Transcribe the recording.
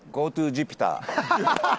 ＧｏＴｏジュピター。